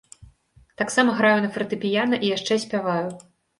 Таксама граю на фартэпіяна і яшчэ спяваю.